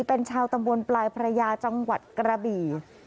เป็นชาวตำบลปลายพระยาจังหวัดกระบี่